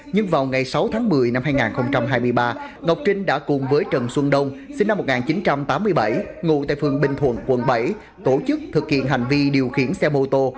nhưng vào ngày sáu tháng một mươi năm hai nghìn hai mươi ba ngọc trinh đã cùng với trần xuân đông sinh năm một nghìn chín trăm tám mươi bảy ngụ tại phường bình thuận quận bảy tổ chức thực hiện hành vi điều khiển xe mô tô